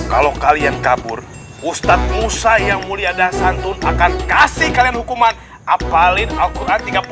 kalau kalian kabur ustadz musa yang mulia dasantun akan kasih kalian hukuman apalin alquran tiga puluh justru